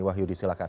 wahyu di silakan